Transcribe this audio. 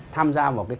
tham gia vào cái